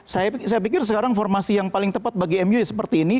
saya pikir sekarang formasi yang paling tepat bagi mu seperti ini